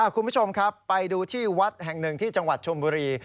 คุณผู้ชมครับไปดูที่วัดแห่งหนึ่งที่จังหวัดชมบุรี